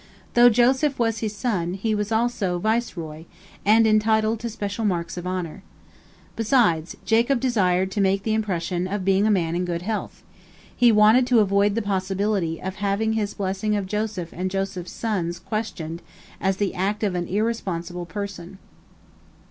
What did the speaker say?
Though Joseph was his son, he was also viceroy, and entitled to special marks of honor. Besides, Jacob desired to make the impression of being a man in good health. He wanted to avoid the possibility of having his blessing of Joseph and Joseph's sons questioned as the act of an irresponsible person.